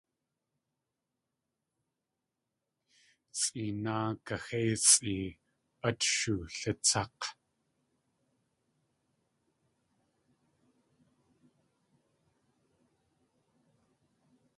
Sʼeenáa kaxéesʼi át shulatsák̲!